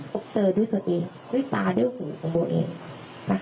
เจอด้วยตัวเองด้วยตาด้วยหูของตัวเองนะคะ